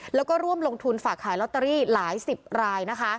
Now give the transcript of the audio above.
และร่วมลงทุนฝากขายล็อตเตอรี่หลายสิบราย